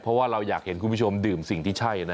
เพราะว่าเราอยากเห็นคุณผู้ชมดื่มสิ่งที่ใช่นะ